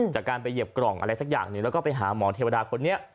จากการไปเหยียบกล่องอะไรสักอย่างหนึ่งแล้วก็ไปหาหมอเทวดาคนนี้